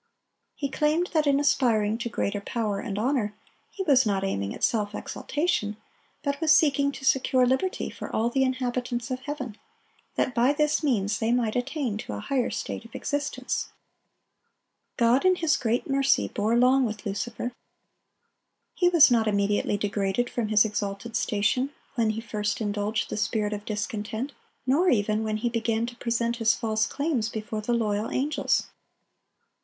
He claimed that in aspiring to greater power and honor he was not aiming at self exaltation, but was seeking to secure liberty for all the inhabitants of heaven, that by this means they might attain to a higher state of existence. God, in His great mercy, bore long with Lucifer. He was not immediately degraded from his exalted station when he first indulged the spirit of discontent, nor even when he began to present his false claims before the loyal angels.